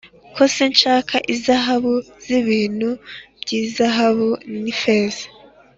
kose nshaka izahabu z ibintu by izahabu n ifeza